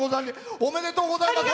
おめでとうございます。